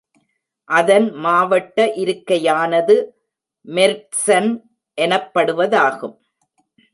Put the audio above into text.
அதன் மாவட்ட இருக்கையானது மெர்ட்சன் எனப்படுவதாகும்.